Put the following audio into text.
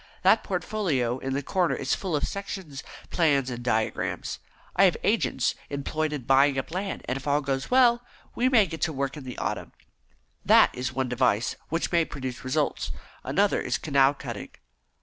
That portfolio in the corner is full of sections, plans, and diagrams. I have agents employed in buying up land, and if all goes well, we may get to work in the autumn. That is one device which may produce results. Another is canal cutting."